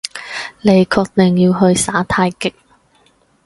你確定要去耍太極？